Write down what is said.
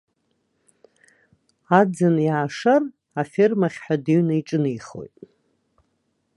Аӡын, иаашар, афермахь ҳәа дыҩны иҿынеихон.